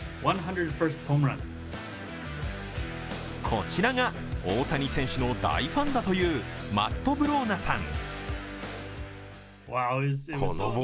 こちらが大谷選手の大ファンだというマット・ブローナさん。